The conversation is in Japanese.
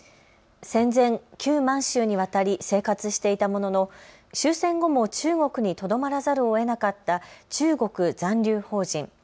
戦前、旧満州に渡り生活していたものの終戦後も中国にとどまらざるをえなかった中国残留邦人。